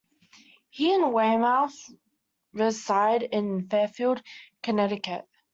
He and Weymouth reside in Fairfield, Connecticut.